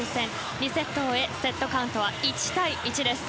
２セットを終えセットカウントは１−１です。